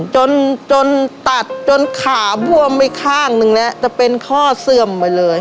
จนจนตัดจนขาบวมไปข้างนึงแล้วจะเป็นข้อเสื่อมไปเลย